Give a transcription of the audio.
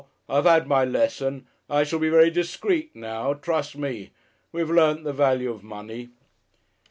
I've had my lesson. I shall be very discreet now, trust me. We've learnt the value of money."